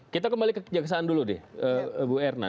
kita kembali ke kejaksaan dulu deh bu erna